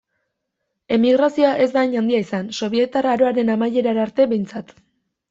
Emigrazioa ez da handia izan, sobietar aroaren amaiera arte behintzat.